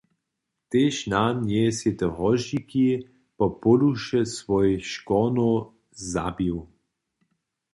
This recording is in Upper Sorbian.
Tež nan njeje sej te hozdźiki do póduše swojich škórnjow zabił.